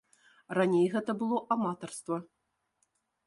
Раней гэта было аматарства.